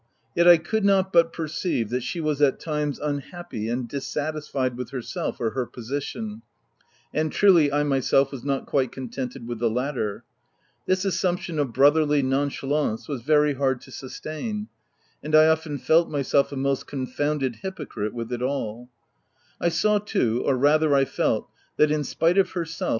Yet I could not but perceive that she was at times unhappy and dissatisfied with herself— or her position, and truly I myself was not quite contented with the latter : this assumption of brotherly nonchalance was very hard to sustain, and I often felt myself a most confounded hypocrite with it all ; I saw too, or rather I felt, that, in spite of herself